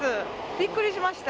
びっくりしました。